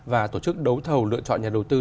và tổ chức đấu thầu lựa chọn nhà đầu tư